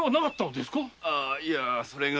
いやそれが。